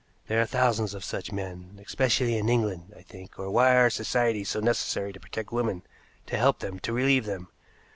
"There are thousands of such men, especially in England, I think, or why are societies so necessary to protect women, to help them, to relieve them?